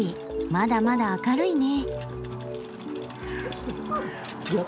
まだまだ明るいね。